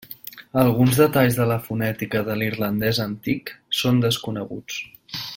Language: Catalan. Alguns detalls de la fonètica de l'irlandès antic són desconeguts.